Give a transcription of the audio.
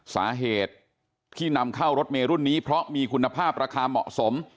สาเหตุที่นำเข้ารถเมรุ่นนี้เพราะมีคุณภาพราคาเหมาะสม